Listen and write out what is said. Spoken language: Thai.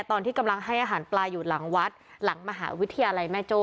ตอนที่กำลังให้อาหารปลาอยู่หลังวัดหลังมหาวิทยาลัยแม่โจ้